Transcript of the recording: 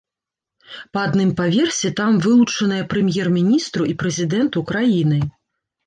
Па адным паверсе там вылучаныя прэм'ер-міністру і прэзідэнту краіны.